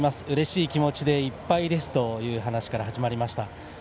うれしい気持ちでいっぱいですという話から始まりました。